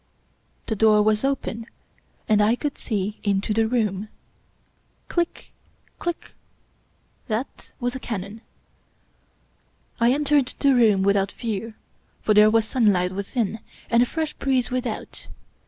The door was open and I could see into the room. Click — click! That was a cannon. I entered the room with out fear, for there was sunlight within and a fresh breeze without.